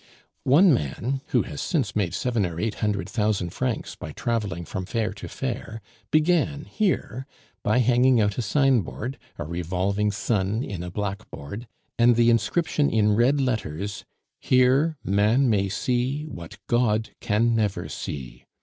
One man who has since made seven or eight hundred thousand francs by traveling from fair to fair began here by hanging out a signboard, a revolving sun in a blackboard, and the inscription in red letters: "Here Man may see what God can never see.